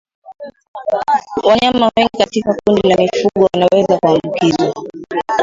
Wanyama wengi katika kundi la mifugo wanaweza kuambukizwa